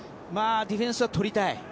ディフェンスはとりたい。